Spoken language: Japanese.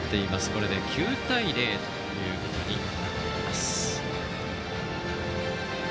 これで９対０ということになっています。